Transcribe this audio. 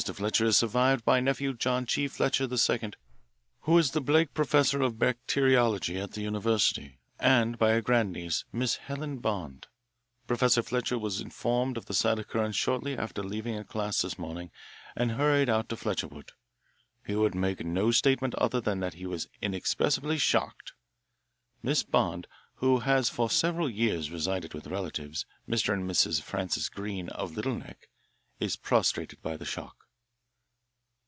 Fletcher is survived by a nephew, John G. Fletcher, II., who is the Blake professor of bacteriology at the University, and by a grandniece, Miss Helen Bond. Professor Fletcher was informed of the sad occurrence shortly after leaving a class this morning and hurried out to Fletcherwood. He would make no statement other than that he was inexpressibly shocked. Miss Bond, who has for several years resided with relatives, Mr. and Mrs. Francis Greene of Little Neck, is prostrated by the shock.